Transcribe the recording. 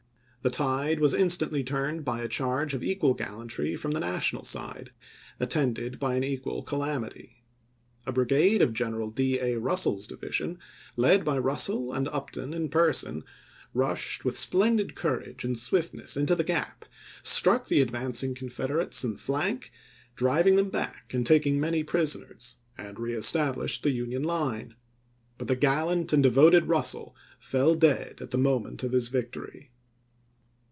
The tide was instantly turned by a charge of equal gallantry from the National side attended by an equal calamity. A brigade of General D. A. Russell's division, led by Russell and Upton in person, rushed with splendid courage and swiftness into the gap, struck the advancing Confederates in flank, driving them back and taking many prisoners, and reestablished the Union line — but the gallant and devoted Russell fell dead at the moment of his victory.